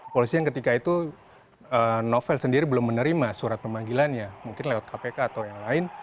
polisi yang ketika itu novel sendiri belum menerima surat pemanggilannya mungkin lewat kpk atau yang lain